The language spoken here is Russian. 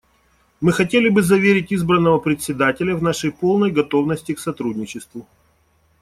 Мы хотели бы заверить избранного Председателя в нашей полной готовности к сотрудничеству.